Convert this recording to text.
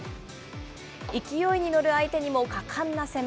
勢いに乗る相手にも果敢な攻め。